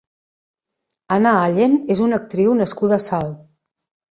Anna Allen és una actriu nascuda a Salt.